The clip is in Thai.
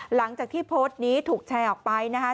หลังจากที่โพสต์นี้ถูกแชร์ออกไปนะคะ